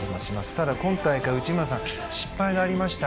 ただ、今大会、内村さん失敗がありました。